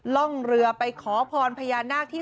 ร่องเรือไปขอพรพญานาคที่